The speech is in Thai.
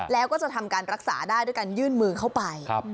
แล้วก็จะทำการรักษาได้ด้วยการยื่นมือเข้าไป